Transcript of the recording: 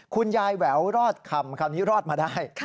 คุณยายแหววรอดคำคราวนี้รอดมาได้